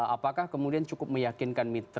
apakah kemudian cukup meyakinkan mitra